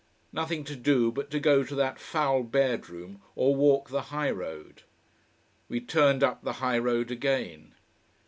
Nothing to do but to go to that foul bedroom or walk the high road. We turned up the high road again.